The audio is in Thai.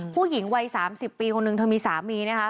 ผู้หญิงวัย๓๐ปีคนนึงเธอมีสามีนะคะ